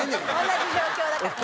同じ状況だから。